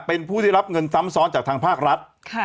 เป็นผู้ได้รับเงินซ้ำซ้อนจากทางภาครัฐ